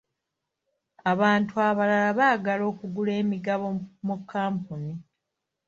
Abantu abalala baagala okugula emigabo mu kampuni.